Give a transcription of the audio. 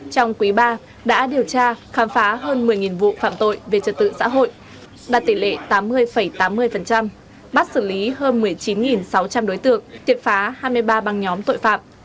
trong quý ba đã điều tra khám phá hơn một mươi vụ phạm tội về trật tự xã hội đạt tỷ lệ tám mươi tám mươi bắt xử lý hơn một mươi chín sáu trăm linh đối tượng tiệt phá hai mươi ba băng nhóm tội phạm